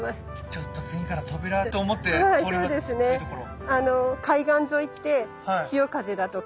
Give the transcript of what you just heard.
ちょっと次からトベラと思って通りますそういうところ。